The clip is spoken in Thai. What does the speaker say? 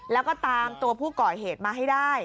แล้วก็ตามตัวผู้ก่อเหตุมาให้ได้